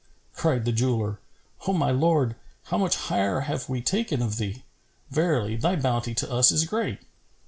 Cried the jeweller, "O my lord, how much hire have we taken of thee! Verily, thy bounty to us is great!"